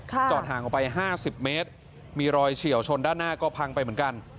จอดห่างออกไป๕๐เมตรมีรอยเฉียวชนด้านหน้าก็พังไปเหมือนกัน